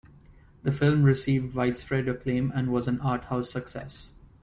The film received widespread acclaim and was an arthouse success.